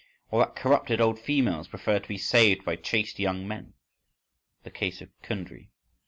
Or that corrupted old females prefer to be saved by chaste young men? (the case of Kundry).